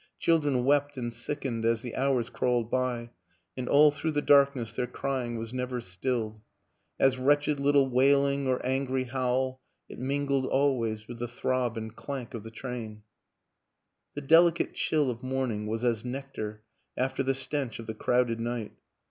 Children wept and sickened as the hours crawled by and all through the dark ness their crying was never stilled; as wretched little wailing or angry howl, it mingled always with the throb and clank of the train. The delicate chill of morning was as nectar after the stench of the crowded night.